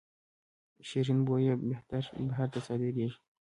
شیرین بویه بهر ته صادریږي